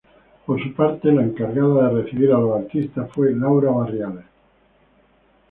Por su parte, la encargada de recibir a los artistas fue Laura Barriales.